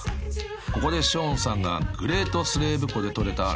［ここでショーンさんがグレートスレーブ湖で捕れたレイク